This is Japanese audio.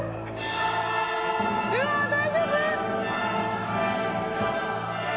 うわあ、大丈夫？